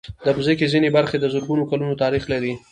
د مځکې ځینې برخې د زرګونو کلونو تاریخ لري.